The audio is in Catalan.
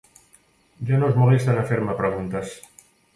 Ja no es molesten a fer-me preguntes.